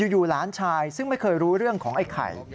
อยู่หลานชายซึ่งไม่เคยรู้เรื่องของไอ้ไข่